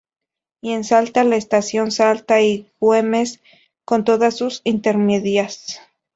Y en Salta, la estación Salta y Güemes con todas sus intermedias.